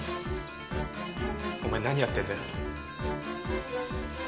お前何やってんだよ？